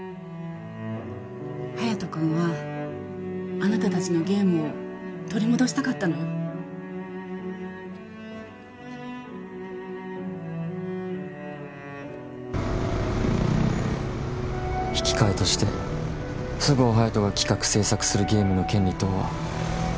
隼人君はあなた達のゲームを取り戻したかったの「引き換えとして、」「菅生隼人が企画・制作するゲームの権利等は」